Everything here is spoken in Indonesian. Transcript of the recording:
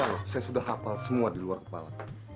masalah gue loh saya sudah hafal semua di luar kepala